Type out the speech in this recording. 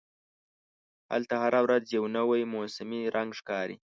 هلته هره ورځ یو نوی موسمي رنګ ښکاري.